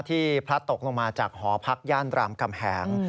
พลัดตกลงมาจากหอพักย่านรามคำแหง